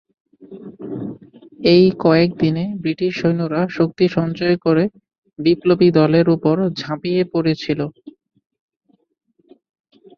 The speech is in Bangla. এই কয়েক দিনে ব্রিটিশ সৈন্যরা শক্তি সঞ্চয় করে বিপ্লবী দলের ওপর ঝাঁপিয়ে পড়েছিল।